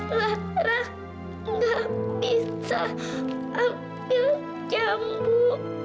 lara nggak bisa ambil jambu